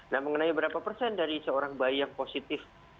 nah mengenai berapa persen dari seorang bayi yang positif